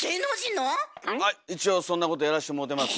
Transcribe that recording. あ一応そんなことやらしてもろてます。